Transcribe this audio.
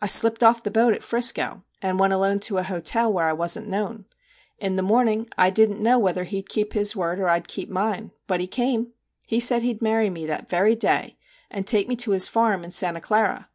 I slipped off the boat at Frisco, and went alone to an hotel where I wasn't known. In the morning I didn't know whether he 'd keep his word or I 'd keep mine. But he came ! He said he 'd marry me that very day, and take me to his farm in Santa Clara.